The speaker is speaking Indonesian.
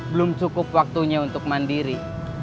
belum cukup waktunya untuk mandiri